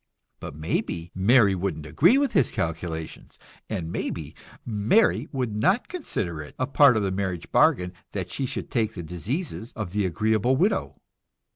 But maybe Mary wouldn't agree with his calculations; maybe Mary would not consider it a part of the marriage bargain that she should take the diseases of the agreeable widow.